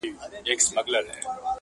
زه چي له خزان سره ژړېږم ته به نه ژاړې،